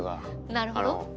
なるほど。